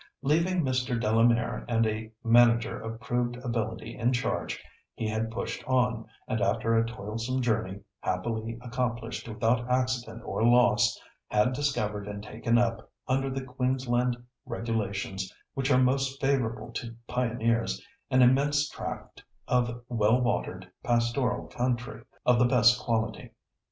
Leaving Mr. Delamere and a manager of proved ability in charge, he had pushed on, and after a toilsome journey, happily accomplished without accident or loss, had discovered and taken up, under the Queensland regulations, which are most favourable to pioneers, an immense tract of well watered, pastoral country of the best quality.